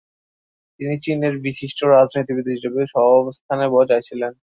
তিনি চীনের বিশিষ্ট রাজনীতিবিদ হিসেবে স্বঅবস্থানে বজায় ছিলেন।